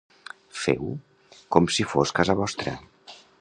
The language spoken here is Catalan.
Feu com si fos casa vostra.